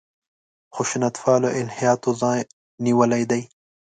خشونت پاله الهیاتو ځای نیولی دی.